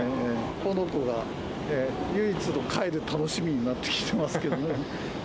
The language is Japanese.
この子が唯一の帰る楽しみになってきましたけどね。